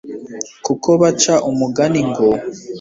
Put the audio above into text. kuko baca umugani ngo